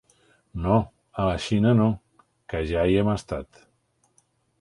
«No, a la Xina no, que ja hi hem estat».